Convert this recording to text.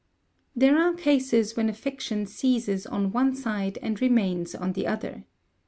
"There are cases when affection ceases on one side and remains on the other.